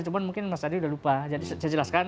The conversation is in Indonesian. cuma mungkin mas adi udah lupa jadi saya jelaskan